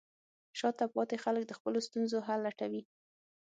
شاته پاتې خلک د خپلو ستونزو حل لټوي.